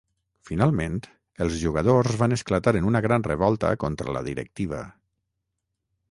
Finalment, els jugadors van esclatar en una gran revolta contra la directiva.